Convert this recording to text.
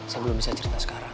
saya belum bisa cerita sekarang